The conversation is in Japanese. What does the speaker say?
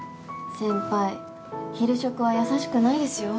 先輩昼職は優しくないですよ